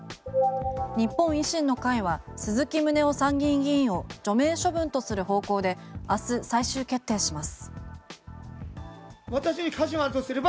日本維新の会は鈴木宗男参議院議員を除名処分とする方向で、明日最終決定します。